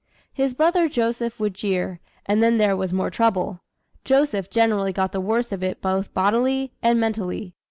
His brother Joseph would jeer, and then there was more trouble. Joseph generally got the worst of it both bodily and mentally.